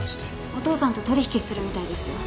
お父さんと取引するみたいですよ。